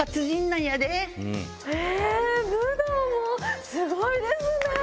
へぇ武道も⁉すごいですね！